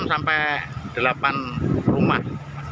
enam sampai delapan rumah